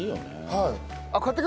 はい！